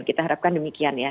kita harapkan demikian ya